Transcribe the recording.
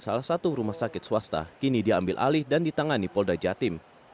salah satu rumah sakit swasta kini diambil alih dan ditangani polda jatim